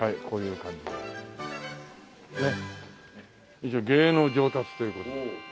一応「芸能上達」という事で。